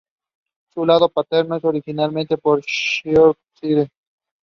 He served as the first football coach at Davenport High School.